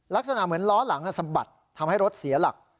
ลักษณะเหมือนล้อหลังสะบัดทำให้รถเสียหลัก